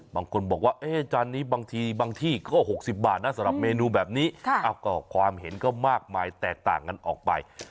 บางคนบอกว่าจานนี้บางทีบางที่ก็๖๐บาทนะสำหรับเมนูแบบนี้ความเห็นก็มากมายแตกต่างกันออกไป